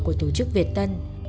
của tổ chức việt tân